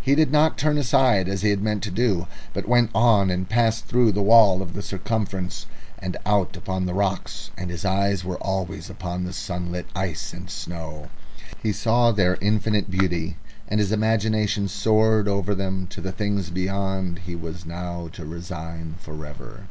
He did not turn aside as he had meant to do, but went on, and passed through the wall of the circumference and out upon the rocks, and his eyes were always upon the sunlit ice and snow. He saw their infinite beauty, and his imagination soared over them to the things beyond he was now to resign for ever.